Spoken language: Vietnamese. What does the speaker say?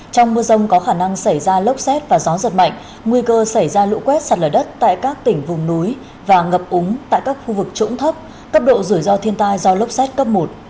trong mưa rông có khả năng xảy ra lốc xét và gió giật mạnh nguy cơ xảy ra lũ quét sạt lở đất tại các tỉnh vùng núi và ngập úng tại các khu vực trũng thấp cấp độ rủi ro thiên tai do lốc xét cấp một